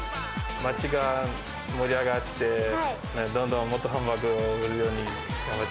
町が盛り上がって、どんどんもっとハンバーガー売れるように。